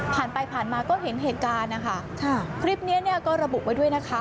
ผ่านไปผ่านมาก็เห็นเหตุการณ์นะคะค่ะคลิปเนี้ยก็ระบุไว้ด้วยนะคะ